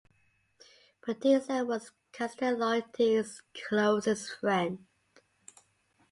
Perdisa was Castellotti's closest friend.